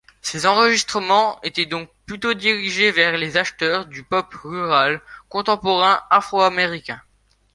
Ses enregistrements étaient donc plutôt dirigés vers les acheteurs du pop rural contemporain afro-américains.